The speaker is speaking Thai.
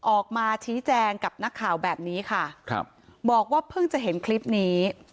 ออกมาชี้แจงกับนักข่าวแบบนี้ค่ะครับบอกว่าเพิ่งจะเห็นคลิปนี้